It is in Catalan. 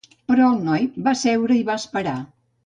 Però el noi va seure i va esperar.